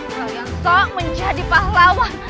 kalian sok menjadi pahlawan